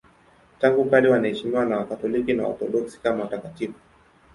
Tangu kale wanaheshimiwa na Wakatoliki na Waorthodoksi kama watakatifu.